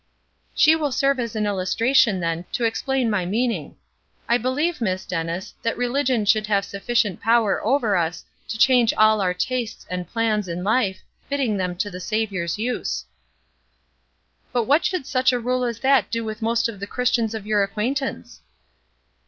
"She will serve as an illustration, then, to explain my meaning. I believe, Miss Dennis, that religion should have sufficient power over us to change all our tastes and plans in life, fitting them to the Saviour's use." "But what would such a rule as that do with most of the Christians of your acquaintance?"